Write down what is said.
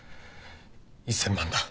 １０００万だ。